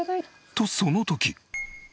とその時。